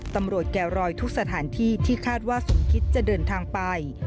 แก่รอยทุกสถานที่ที่คาดว่าสมคิดจะเดินทางไป